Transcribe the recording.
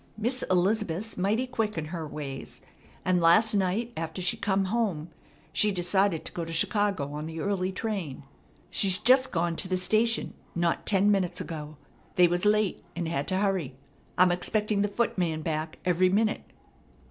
Miss Elizabeth's mighty quick in her ways, and last night after she come home she decided to go to Chicago on the early train. She's just gone to the station not ten minutes ago. They was late, and had to hurry. I'm expecting the footman back every minute."